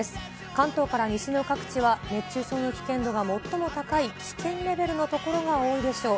関東から西の各地は、熱中症の危険度が最も高い危険レベルの所が多いでしょう。